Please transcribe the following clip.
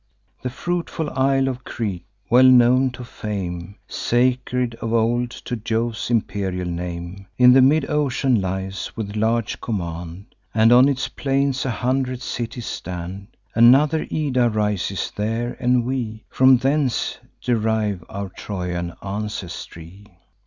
The fruitful isle of Crete, well known to fame, Sacred of old to Jove's imperial name, In the mid ocean lies, with large command, And on its plains a hundred cities stand. Another Ida rises there, and we From thence derive our Trojan ancestry.